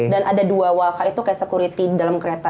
dan ada dua walka itu kayak security di dalam kereta